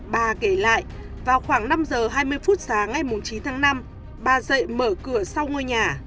bà kể lại vào khoảng năm giờ hai mươi phút sáng ngày chín tháng năm bà dậy mở cửa sau ngôi nhà